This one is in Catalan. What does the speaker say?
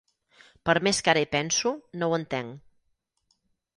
Per més que ara hi penso no ho entenc.